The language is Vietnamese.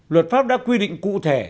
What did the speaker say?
luật pháp đã quy định cụ thể